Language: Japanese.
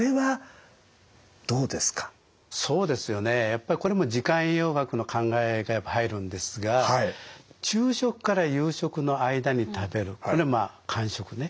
やっぱりこれも時間栄養学の考えがやっぱり入るんですが昼食から夕食の間に食べるこれ間食ね。